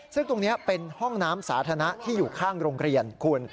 ซึ่งตรงนี้เป็นห้องน้ำสาธารณะที่อยู่ข้างโรงเรียนคุณ